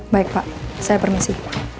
baik pak saya permisi